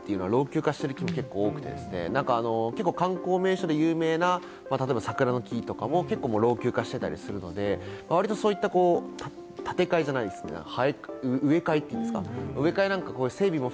いろんな街の木が老朽化しているって、結構多くてですね、観光名所で有名な、例えば桜の木とかも老朽化していたりするので、割とそういう建て替えじゃないですけれども、植え替えっていうんですか。